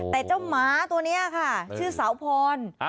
แต่เจ้าหมาตัวนี้ค่ะชื่อสาวพร